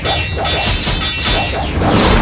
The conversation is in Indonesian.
dan tadi kau membuktikan mereka